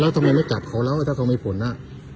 แล้วทำไมไม่กะสนเขาหรือถ้าเขาไม่ผ่นอ่ะ